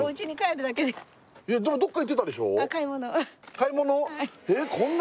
買い物？